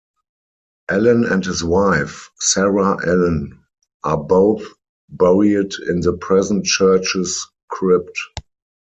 Allen and his wife, Sarah Allen are both buried in the present church's crypt.